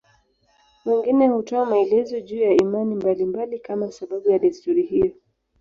Wengine hutoa maelezo juu ya imani mbalimbali kama sababu ya desturi hiyo.